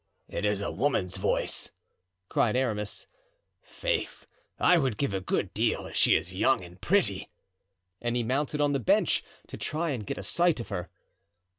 "It is a woman's voice," cried Aramis; "faith, I would give a good deal if she is young and pretty." And he mounted on the bench to try and get a sight of her.